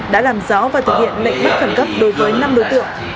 đã làm rõ và thực hiện lệnh bất khẩn gấp đối với năm đối tượng